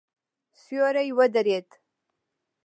سیوری ودرېد.